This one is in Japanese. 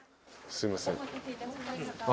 すいません。